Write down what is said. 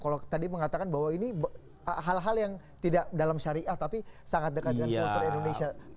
kalau tadi mengatakan bahwa ini hal hal yang tidak dalam syariah tapi sangat dekat dengan kultur indonesia